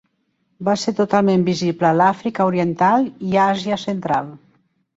Va ser totalment visible a l'Àfrica Oriental i Àsia Central.